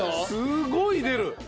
すごい出る！